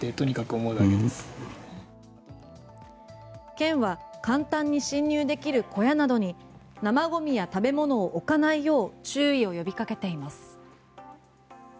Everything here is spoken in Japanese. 県は簡単に侵入できる小屋などに生ゴミや食べ物を置かないよう注意を呼びかけています。